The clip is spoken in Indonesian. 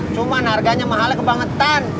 cuma harganya mahalnya kebangetan